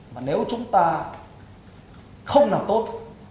và nếu chúng ta không làm tốt